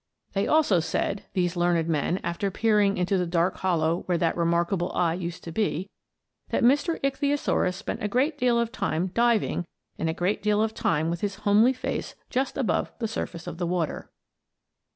They also said these learned men, after peering into the dark hollow where that remarkable eye used to be that Mr. Ichthyosaurus spent a great deal of time diving and a great deal of time with his homely face just above the surface of the water.